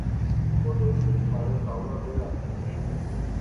او دیکھ مہاڑے پرھو نا بیڑا